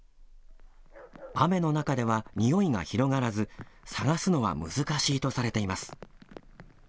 雨の中では臭いが広がらず捜すのは難しいとされています。